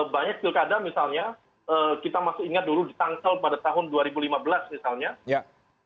banyak pilkada misalnya kita masih ingat dulu di tangsel pada tahun dua ribu lima belas misalnya